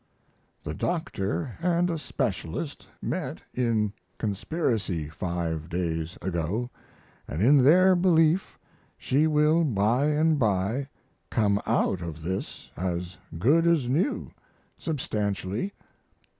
The doctor & a specialist met in conspiracy five days ago, & in their belief she will by and by come out of this as good as new, substantially.